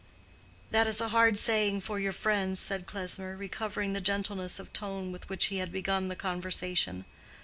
"That is a hard saying for your friends," said Klesmer, recovering the gentleness of tone with which he had begun the conversation.